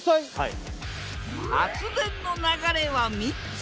発電の流れは３つ。